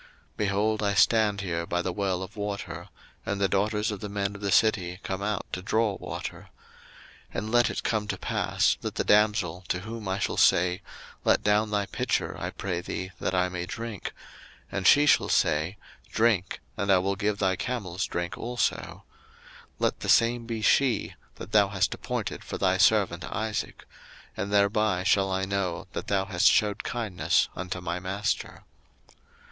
01:024:013 Behold, I stand here by the well of water; and the daughters of the men of the city come out to draw water: 01:024:014 And let it come to pass, that the damsel to whom I shall say, Let down thy pitcher, I pray thee, that I may drink; and she shall say, Drink, and I will give thy camels drink also: let the same be she that thou hast appointed for thy servant Isaac; and thereby shall I know that thou hast shewed kindness unto my master.